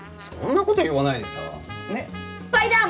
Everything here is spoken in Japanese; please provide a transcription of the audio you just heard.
そんな事言わないでさ。